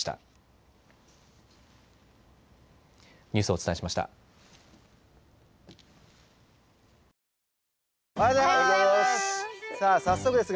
おはようございます。